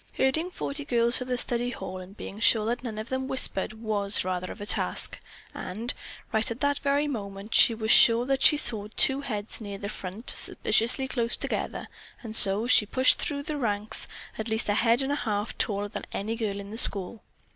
Herding forty girls to the study hall and being sure that none of them whispered was rather of a task, and, right at that very moment she was sure that she saw two heads near the front suspiciously close together, and so she pushed through the ranks, at least a head and a half taller than any girl in the school.